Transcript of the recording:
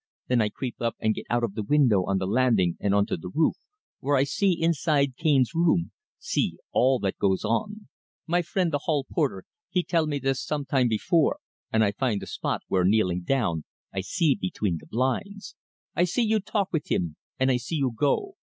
Then I creep up and get out of the window on the landing and on to the roof, where I see inside Cane's room see all that goes on. My friend, the hall porter, he tell me this sometime before, and I find the spot where, kneeling down, I see between the blinds. I see you talk with him and I see you go.